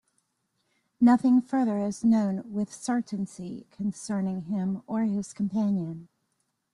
Nothing further is known with certainty concerning him or his companion.